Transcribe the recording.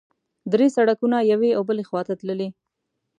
درې سړکونه یوې او بلې خوا ته تللي.